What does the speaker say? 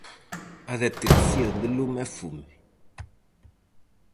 A Detección de lume e fume.